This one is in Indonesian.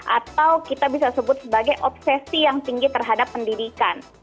atau kita bisa sebut sebagai obsesi yang tinggi terhadap pendidikan